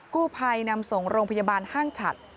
กู้ภัยนำส่งโรงพยาบาลห้างฉัด